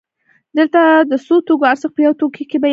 دلته د څو توکو ارزښت په یو توکي کې بیانېږي